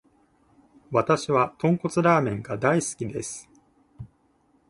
わたしは豚骨ラーメンが大好きです。